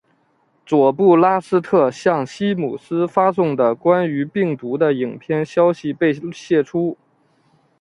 佐布拉斯特向西姆斯发送的关于病毒的影片消息被泄出。